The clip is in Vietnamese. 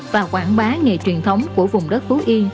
và quảng bá nghề truyền thống của vùng đất phú yên